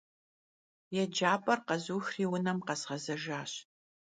Yêcap'er khezuxri vunem khezğezejjaş.